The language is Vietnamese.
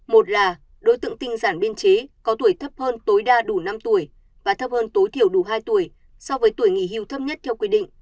một là đối tượng tinh giản biên chế có tuổi thấp hơn tối đa đủ năm tuổi và thấp hơn tối thiểu đủ hai tuổi so với tuổi nghỉ hưu thấp nhất theo quy định